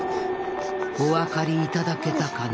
お分かりいただけたかな？